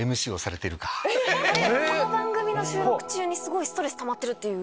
この番組の収録中にストレスたまってるっていう。